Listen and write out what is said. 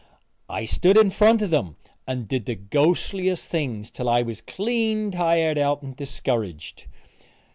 I stood in front of them and did the ghostliest things till I was clean tired out and discouraged.